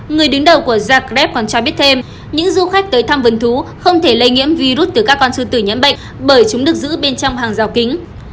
người đứng đầu của zakrep còn cho biết thêm những du khách tới thăm vườn thú không thể lây nhiễm virus từ các con sư tử nhấn bệnh bởi chúng được giữ bên trong hàng rào kính